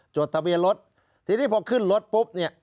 จดทะเบียนรถทีนี้พอขึ้นรถปุ๊บเนี่ย